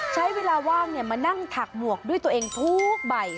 ใช้เวลาว่างมานั่งถักหมวกด้วยตัวเองทุกใบ